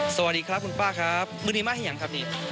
สวัสดีครับคุณป้าครับมือดีมากหรือยังครับนี่